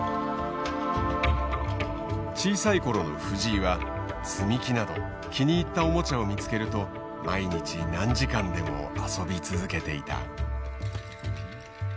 小さい頃の藤井は積み木など気に入ったおもちゃを見つけると毎日何時間でも遊び続けていた。